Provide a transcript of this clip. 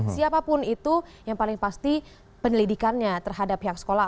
siapapun itu yang paling pasti penyelidikannya terhadap pihak sekolah